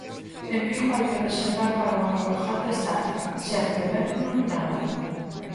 En Vigo hai que reservar para unha Cabalgata estática, sempre ben iluminada.